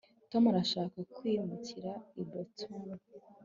tom arashaka kwimukira i boston